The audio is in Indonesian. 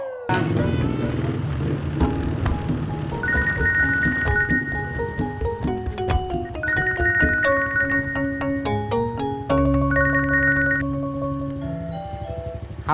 kok nomernya beda